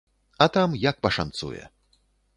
А там як пашанцуе.